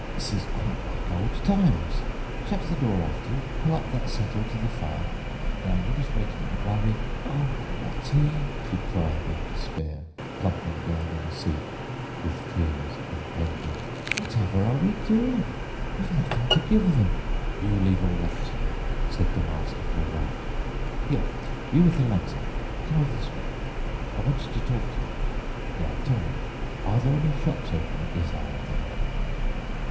"This is quite like old times! Shut the door after you. Pull up that settle to the fire. Now, you just wait a minute, while we—O, Ratty!" he cried in despair, plumping down on a seat, with tears impending. "Whatever are we doing? We've nothing to give them!" "You leave all that to me," said the masterful Rat. "Here, you with the lantern! Come over this way. I want to talk to you. Now, tell me, are there any shops open at this hour of the night?"